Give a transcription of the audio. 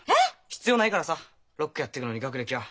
必要ないからさロックやってくのに学歴は。